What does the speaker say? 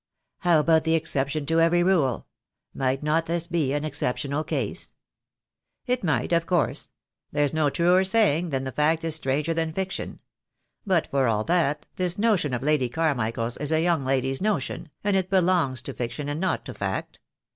"How about the exception to every rule? Might not this be an exceptional case?" "It might, of course. There's no truer saying than that fact is stranger than fiction; but for all that, this notion of Lady Carmichael's is a young lady's notion, and it belongs to fiction and not to fact.